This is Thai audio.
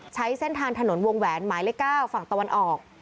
ใช้เส้นทางถนนวงแหวนหมายเลข๙ฝั่งตะวันออก